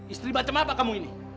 istri bantam apa kamu ini